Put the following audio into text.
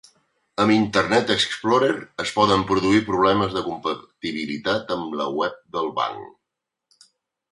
Amb Internet Explorer es poden produir problemes de compatibilitat amb el web del banc.